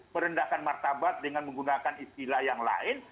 merendahkan martabat dengan menggunakan istilah yang lain